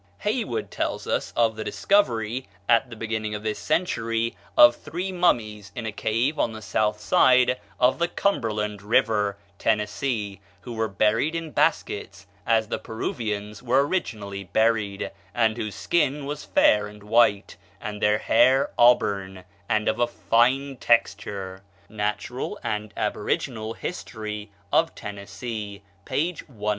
Haywood tells us of the discovery, at the beginning of this century, of three mummies in a cave on the south side of the Cumberland River (Tennessee), who were buried in baskets, as the Peruvians were occasionally buried, and whose skin was fair and white, and their hair auburn, and of a fine texture. ("Natural and Aboriginal History of Tennessee," p. 191.)